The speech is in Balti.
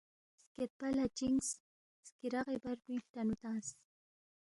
سکیدپہ لہ چِنگس، سکیرغی بر پِنگ نُو ہلٹنُو تنگس